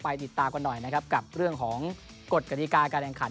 ติดตามกันหน่อยนะครับกับเรื่องของกฎกฎิกาการแข่งขัน